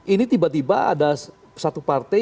ini tiba tiba ada satu partai